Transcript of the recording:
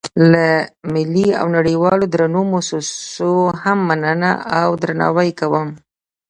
له ملي او نړیوالو درنو موسسو هم مننه او درناوی کوم.